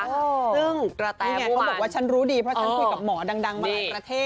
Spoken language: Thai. ซึ่งเขาบอกว่าฉันรู้ดีเพราะฉันคุยกับหมอดังมาหลายประเทศ